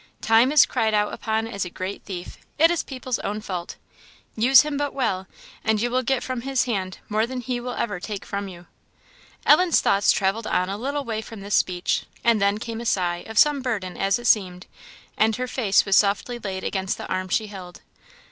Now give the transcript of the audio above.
Time is cried out upon as a great thief; it is people's own fault. Use him but well, and you will get from his hand more than he will ever take from you." Ellen's thoughts travelled on a little way from this speech, and then came a sigh, of some burden, as it seemed; and her face was softly laid against the arm she held.